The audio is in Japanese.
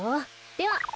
では。